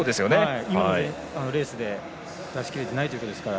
今のレースで出しきれてないということですから